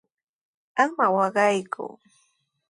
¡Ama waqayku!